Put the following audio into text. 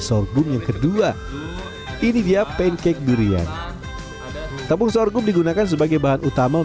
sorghum yang telah terfermentasi selama satu jam